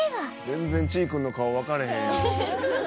全然ちい君の顔わからへんやん。